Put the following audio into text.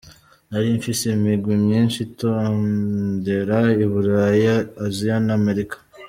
Nari mfise imigwi myinshi indondera i Buraya, Asia na Amerika.